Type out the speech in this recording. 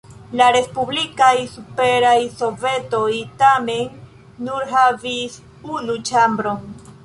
La respublikaj Superaj Sovetoj tamen nur havis unu ĉambron.